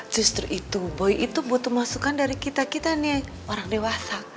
justru itu boy itu butuh masukan dari kita kita nih orang dewasa